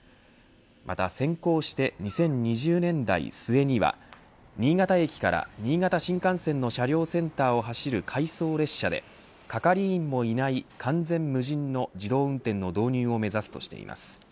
また、先行して２０２０年代末には新潟駅から新潟新幹線の車両センターを走る回送列車で係員もいない完全無人の自動運転の導入を目指すとしています。